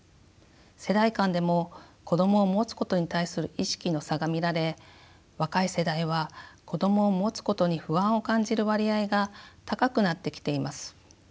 世代間でも子どもを持つことに対する意識の差が見られ若い世代は子どもを持つことに不安を感じる割合が高くなってきています。